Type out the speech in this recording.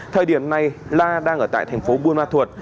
thời điểm này la đang ở tại thành phố buôn ma thuột